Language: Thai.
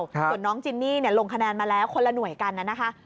ส่วนน้องจินนี่ลงคะแนนมาแล้วคนละหน่วยกันนะคะ